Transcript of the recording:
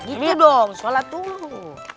gitu dong sholat dulu